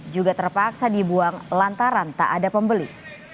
juga terpaksa dibuang lantaran tak ada pembeli